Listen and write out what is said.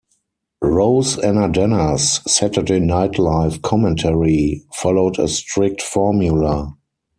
Roseannadanna's "Saturday Night Live" commentary followed a strict formula.